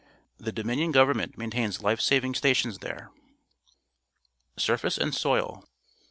The Dominion Go^'ernment maintains life saving stations there. Surface and Soil.